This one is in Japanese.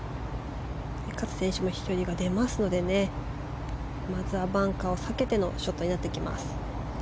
勝選手も飛距離が出ますのでまずバンカーを避けてのショットになってきます。